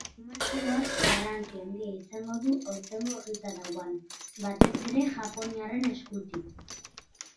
Animazioak garrantzi handia izango du aurtengo egitarauan, batez ere japoniarren eskutik.